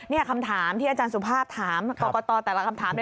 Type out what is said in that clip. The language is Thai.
นี่คำถามที่อาจารย์สุภาพถามกรกตแต่ละคำถาม